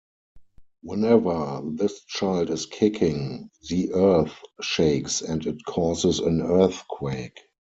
Whenever this child is kicking the earth shakes and it causes an earthquake.